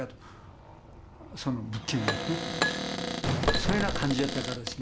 そういうような感じやったからですね。